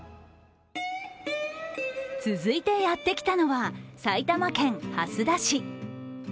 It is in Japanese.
続いてやってきたのは埼玉県蓮田市。